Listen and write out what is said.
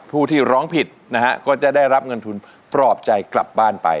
ผู้ที่ร้องผิดนะฮะก็จะได้รับเงินทุนปลอบใจกลับบ้านไป